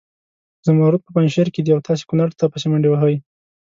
زمرود په پنجشیر کې دي او تاسې کنړ ته پسې منډې وهئ.